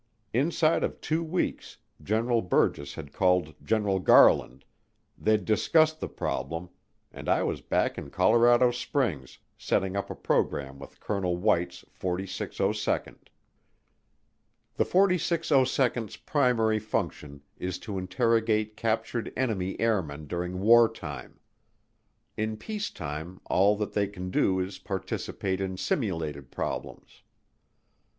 Inside of two weeks General Burgess had called General Garland, they'd discussed the problem, and I was back in Colorado Springs setting up a program with Colonel White's 4602nd. The 4602nd's primary function is to interrogate captured enemy airmen during wartime; in peacetime all that they can do is participate in simulated problems.